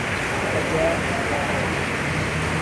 اس کا کیا کیا جائے؟